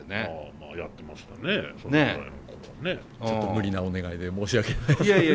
ちょっと無理なお願いで申し訳ないですけど。